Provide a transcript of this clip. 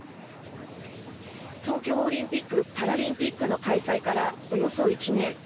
東京オリンピック・パラリンピックの開催からおよそ１年。